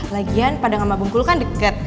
lagian padang sama bungkulu kan deket